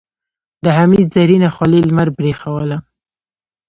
د حميد زرينه خولۍ لمر برېښوله.